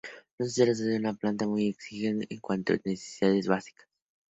No se trata de una planta muy exigente en cuanto a necesidades básicas.